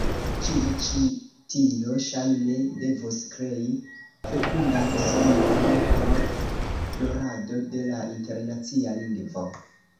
Ĉio ĉi tio, ŝajne, devus krei fekundan sojlon por florado de la internacia lingvo.